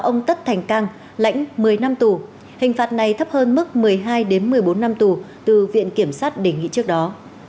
ông tất thành cang lãnh một mươi năm tù hình phạt này thấp hơn mức một mươi hai một mươi bốn năm tù từ viện kiểm sát đề nghị trước đó